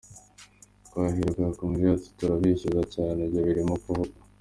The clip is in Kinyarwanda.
Twahirwa yakomeje ati “Turabeshyuza cyane ibyo birimo kuvugwa.